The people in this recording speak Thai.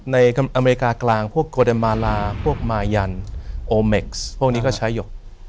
อเมริกากลางพวกโกเดมมาลาพวกมายันโอเม็กซ์พวกนี้ก็ใช้หยก